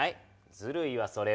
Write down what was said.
ずるいわそれは。